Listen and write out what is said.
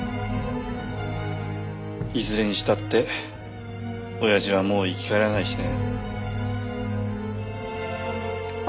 いずれにしたって親父はもう生き返らないしね。